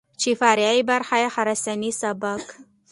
چې فرعي برخې خراساني سبک،